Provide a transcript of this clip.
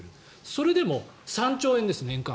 それでも３兆円です、年間。